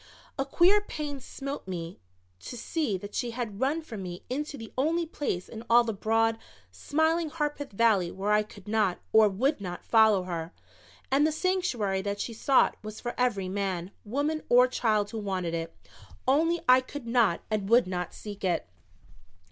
A queer pain smote me to see that she had run from me into the only place in all the broad, smiling Harpeth Valley where I could not or would not, follow her. And the sanctuary that she sought was for every man, woman or child who wanted it only I could not and would not seek it.